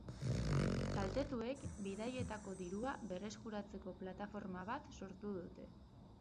Kaltetuek, bidaietako dirua berreskuratzeko plataforma bat sortu dute.